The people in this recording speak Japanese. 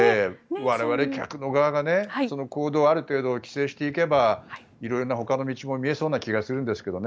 我々、客の側が行動をある程度、規制していけば色々なほかの道も見えそうな気がするんですけどね。